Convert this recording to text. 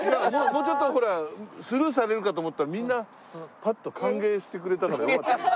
もうちょっとスルーされるかと思ったらみんなパッと歓迎してくれたからよかった。